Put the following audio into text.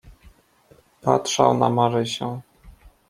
"Patrzał na Marysię."